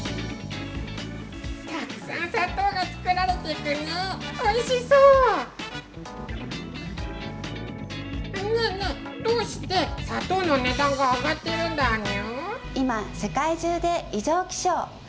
たくさん砂糖が作られていくにゅおいしそう。ねえねえ、どうして砂糖の値段が上がっているんだにゅ。